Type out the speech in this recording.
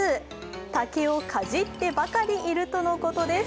竹をかじってばかりいるとのことです。